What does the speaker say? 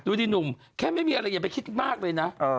ดูดิหนุ่มแค่ไม่มีอะไรอย่าไปคิดมากเลยนะ